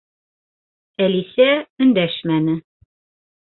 Әлисә өндәшмәне.